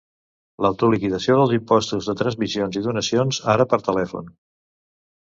L'autoliquidació dels impostos de transmissions i donacions, ara per telèfon.